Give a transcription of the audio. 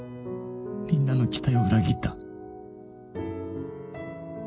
みんなの期待を裏切った。